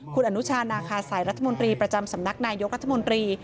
คุณอนุชานาคาสัยรัฐมนตรีประจำสำนักนายกรัฐมนตรี